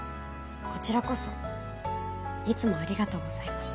こちらこそいつもありがとうございます